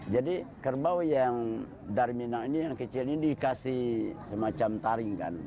jadi kerbau yang dari minang ini yang kecil ini dikasih semacam taring kan